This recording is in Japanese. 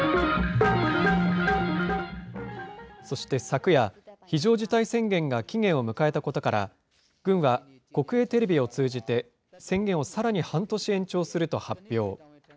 そして昨夜、非常事態宣言が期限を迎えたことから、軍は国営テレビを通じて、宣言をさらに半年延長すると発表。